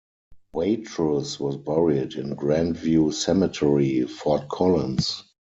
Watrous was buried in Grandview Cemetery, Fort Collins.